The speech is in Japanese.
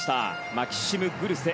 マキシム・グルセ。